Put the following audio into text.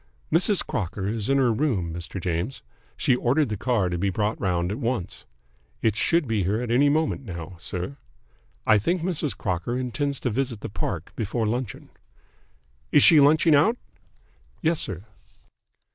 "Mrs. Crocker is in her room, Mr. James. She ordered the car to be brought round at once. It should be here at any moment now, sir. I think Mrs. Crocker intends to visit the Park before luncheon." "Is she lunching out?" "Yes, sir."